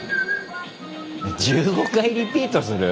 １５回リピートする？